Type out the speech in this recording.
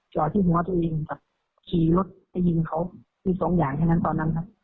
จอดที่หัวตัวเองครับขี่รถไปยิงเขามีสองอย่างแค่นั้นตอนนั้นครับ